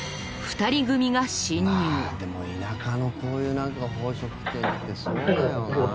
でも田舎のこういうなんか宝飾店ってそうだよな。